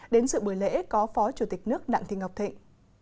đến sự bữa lễ có phó chủ tịch nước đặng thiên ngọc thịnh